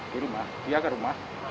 di rumah dia ke rumah